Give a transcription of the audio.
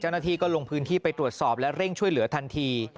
เจ้าหน้าที่ก็ลงพื้นที่ไปตรวจสอบและเร่งช่วยเหลือทันที